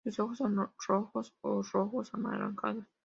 Sus ojos son rojos o rojos anaranjados.